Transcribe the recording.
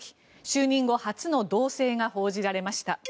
就任後初の動静が報じられました。